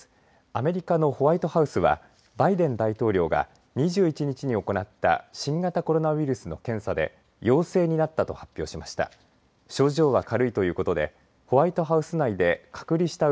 アメリカのホワイトハウスのバイデン大統領が２１日に行った新型コロナウイルスの検査で陽性になったと発表しました。